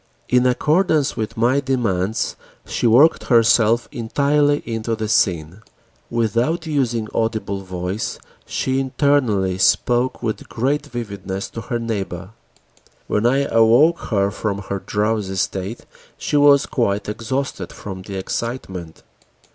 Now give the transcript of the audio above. In accordance with my demands, she worked herself entirely into the scene: without using audible voice, she internally spoke with great vividness to her neighbor. When I awoke her from her drowsy state, she was quite exhausted from the excitement.